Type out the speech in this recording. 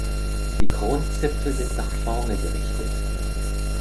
Die Kronzipfel sind nach vorne gerichtet.